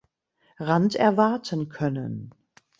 Rand erwarten können.